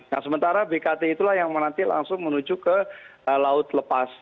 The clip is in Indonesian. nah sementara bkt itulah yang menanti langsung menuju ke laut lepas